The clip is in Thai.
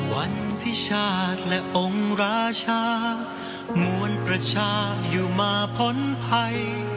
วันที่ชาติและองค์ราชามวลประชาอยู่มาพ้นภัย